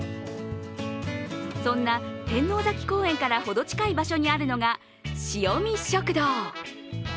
そんな天王崎公園からほど近い場所にあるのが、しをみ食堂。